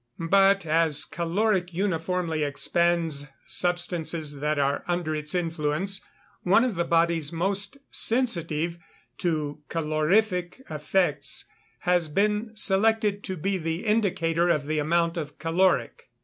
But, as caloric uniformly expands substances that are under its influence, one of the bodies most sensitive to calorific effects has been selected to be the indicator of the amount of caloric.